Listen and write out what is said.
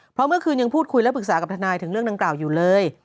เพราะเมื่อคืนยังพูดคุยและปรึกษากับทนายถึงเรื่องดังกล่าวอยู่เลย